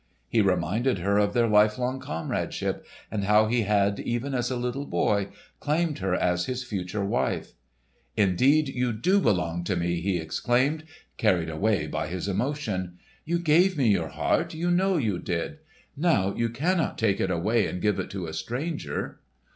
He reminded her of their lifelong comradeship, and how he had, even as a little boy, claimed her as his future wife. "Indeed you do belong to me!" he exclaimed, carried away by his emotion. "You gave me your heart—you know you did! Now you cannot take it away and give it to a stranger!"